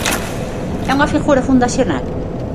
É unha figura fundacional?